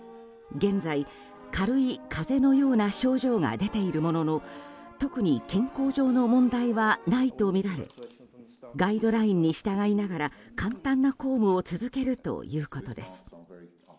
現在、軽い風邪のような症状が出ているものの特に健康上の問題はないとみられガイドラインに従いながら簡単な公務を続けるということです。